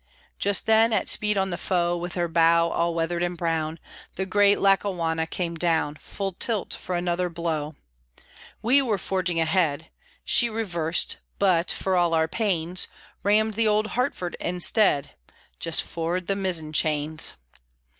Just then, at speed on the Foe, With her bow all weathered and brown, The great Lackawanna came down Full tilt, for another blow; We were forging ahead, She reversed but, for all our pains, Rammed the old Hartford, instead, Just for'ard the mizzen chains!